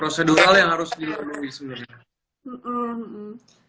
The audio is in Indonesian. prosedural yang harus dipenuhi sebenarnya